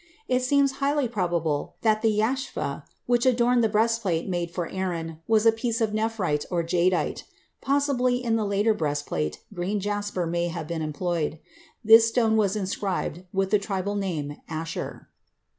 It seems highly probable that the yashpheh which adorned the breastplate made for Aaron was a piece of nephrite or jadeite; possibly in the later breastplate green jasper may have been employed. This stone was inscribed with the tribal name Assher.